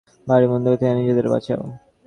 ভারী বন্দুকের থেকে নিজেদের বাঁচাও।